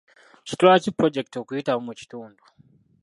Kitwala ki pulojekiti okuyitamu mu kitundu?